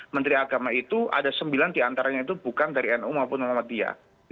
menteri agama itu ada sembilan diantaranya itu bukan dari nu maupun muhammadiyah